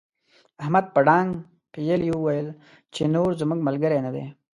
احمد په ډانګ پېيلې وويل چې نور زموږ ملګری نه دی.